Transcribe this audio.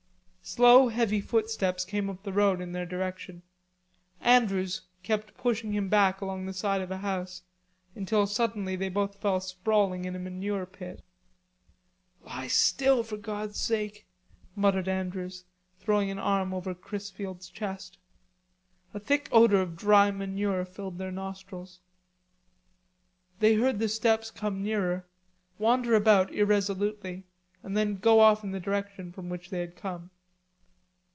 Slow heavy footsteps came up the road in their direction. Andrews kept pushing him back along the side of a house, until suddenly they both fell sprawling in a manure pit. "Lie still for God's sake," muttered Andrews, throwing an arm over Chrisfield's chest. A thick odor of dry manure filled their nostrils. They heard the steps come nearer, wander about irresolutely and then go off in the direction from which they had come.